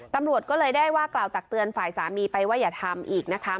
ตำรวจก็เลยได้ว่ากล่าวตักเตือนฝ่ายสามีไปว่าอย่าทำอีกนะคะ